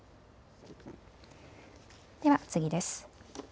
では次です。